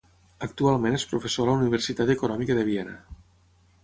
Actualment és professor a la Universitat Econòmica de Viena.